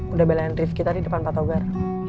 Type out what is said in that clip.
udah belain rifki tadi depan pak togar